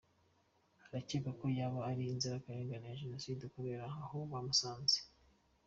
Harakekwa ko yaba ari inzirakarengane ya Jenoside kubera aho bamusanze.